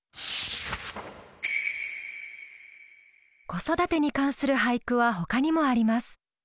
子育てに関する俳句はほかにもあります。